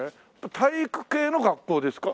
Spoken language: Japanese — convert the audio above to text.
体育系の学校ですか？